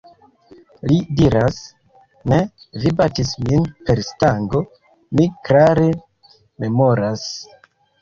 Li diras: "Ne! Vi batis min per stango. Mi klare memoras."